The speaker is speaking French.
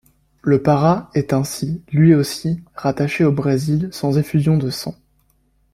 Le Pará est ainsi, lui aussi, rattaché au Brésil sans effusion de sang.